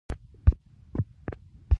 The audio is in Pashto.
بزګر د نسلونو خدمت کوي